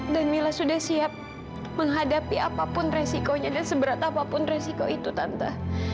dan mila sudah siap menghadapi apapun resikonya dan seberat apapun resiko itu tante